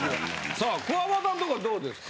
さあくわばたのとこはどうですか？